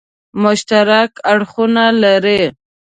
مشترک اړخونه لري.